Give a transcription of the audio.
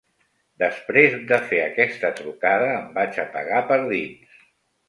Després de fer aquesta trucada em vaig apagar per dins.